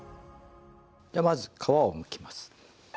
じゃあまず皮をむきます。